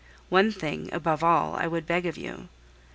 One thing, above all, I would beg of you.